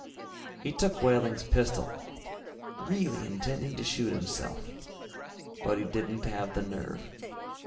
He took Wehling's pistol, really intending to shoot himself. But he didn't have the nerve.